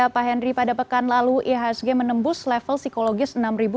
pak henry pada pekan lalu ihsg menembus level psikologis enam dua ratus